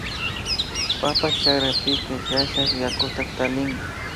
Papa chakrapika llashak yakuta tallinki